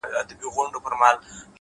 مـــــه كـــــوه او مـــه اشـــنـــا ـ